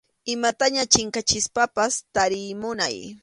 Imataña chinkachispapas tariy munay.